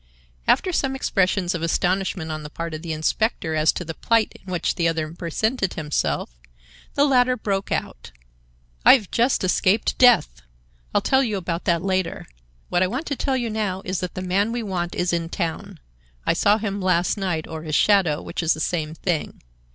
After some expressions of astonishment on the part of the inspector as to the plight in which the other presented himself, the latter broke out: "I've just escaped death! I'll tell you about that later. What I want to tell you now is that the man we want is in town. I saw him last night, or his shadow, which is the same thing.